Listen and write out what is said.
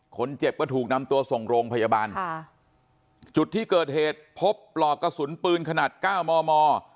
คนเจ็บก็ถูกนำตัวส่งโรงพยาบาลค่ะจุดที่เกิดเหตุพบปลอกกระสุนปืนขนาดเก้ามอมอ